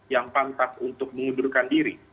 yang pantas untuk mengundurkan diri